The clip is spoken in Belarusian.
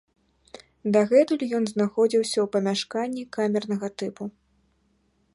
Дагэтуль ён знаходзіўся ў памяшканні камернага тыпу.